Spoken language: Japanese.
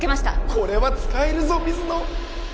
これは使えるぞ水野